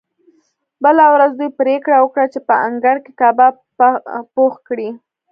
بله ورځ دوی پریکړه وکړه چې په انګړ کې کباب پخ کړي